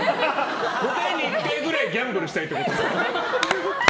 ５回に１回くらいギャンブルしたいってこと？